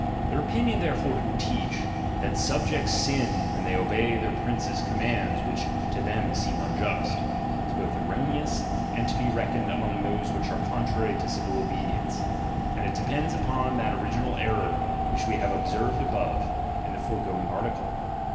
Their opinion therefore who teach, that subjects sin when they obey their prince's commands which to them seem unjust, is both erroneous, and to be reckoned among those which are contrary to civil obedience ; and it depends upon that original error which we have observed above, in the foregoing article.